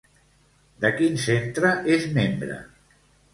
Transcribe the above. De quin centre és membre?